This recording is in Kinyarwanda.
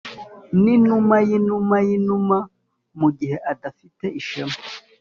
ninuma yinuma yinuma mugihe adafite ishema,